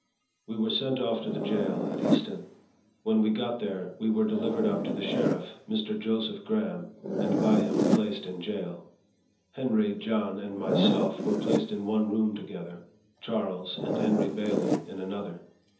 We were sent off to the jail at Easton. When we got there, we were delivered up to the sheriff, Mr. Joseph Graham, and by him placed in jail. Henry, John, and myself, were placed in one room together Charles, and Henry Bailey, in another.